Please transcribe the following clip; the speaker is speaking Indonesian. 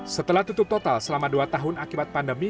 setelah tutup total selama dua tahun akibat pandemi